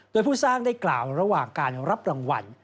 โดยผู้สร้างได้กล่าวระหว่างการรับรางวัล